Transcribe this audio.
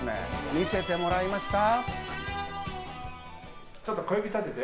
見させてもらいました。